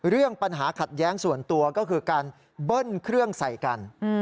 เรื่องปัญหาขัดแย้งส่วนตัวก็คือการเบิ้ลเครื่องใส่กัน